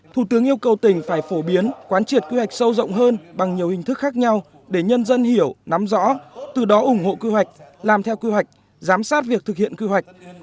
thủ tướng yêu cầu tỉnh phải phổ biến quán triệt kế hoạch sâu rộng hơn bằng nhiều hình thức khác nhau để nhân dân hiểu nắm rõ từ đó ủng hộ kế hoạch làm theo kế hoạch giám sát việc thực hiện quy hoạch